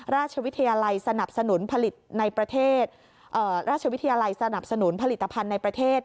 ราชวิทยาลัยสนับสนุนผลิตภัณฑ์ในประเทศ